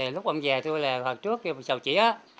lúc ông về tôi là hồi trước kêu sầu chỉ á